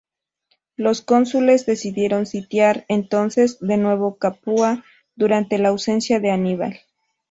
Los cónsules decidieron sitiar entonces de nuevo Capua durante la ausencia de Aníbal.